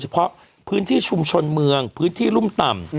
เพาะพื้นที่ชุมชนเมืองพื้นที่รุ่มต่ำ